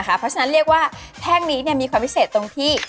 เพราะฉะนั้นเรียกว่าแท่งนี้มีความพิเศษตรงที่